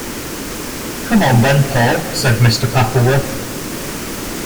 “Come on then, Paul,” said Mr. Pappleworth.